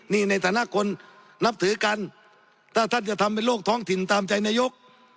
นี่ในฐานะคนนับถือกันถ้าท่านจะทำเป็นโลกท้องถิ่นตามใจนายก